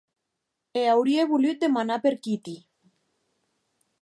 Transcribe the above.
E aurie volut demanar per Kitty.